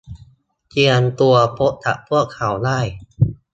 เตรียมตัวพบกับพวกเขาได้